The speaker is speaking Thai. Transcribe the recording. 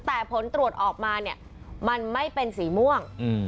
แต่ผลตรวจออกมาเนี่ยมันไม่เป็นสีม่วง